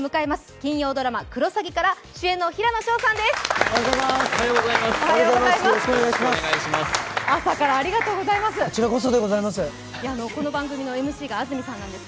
金曜ドラマ「クロサギ」から主演の平野紫耀さんです。